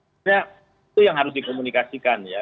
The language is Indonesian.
sebenarnya itu yang harus dikomunikasikan ya